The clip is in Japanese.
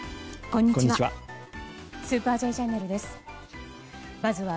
こんにちは。